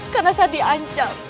karena saya diancam